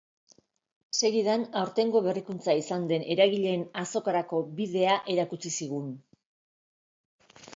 Segidan, aurtengo berrikuntza izan den eragileen azokarako bidea erakutsi zigun.